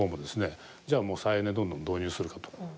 じゃあもう再エネどんどん導入するかと。